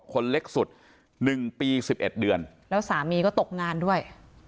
คนเล็กสุด๑ปี๑๑เดือนแล้วสามีก็ตกงานด้วย